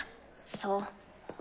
そう。